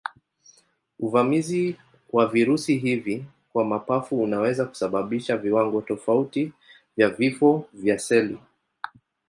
Uvamizi wa virusi hivi kwa mapafu unaweza kusababisha viwango tofauti vya vifo vya seli.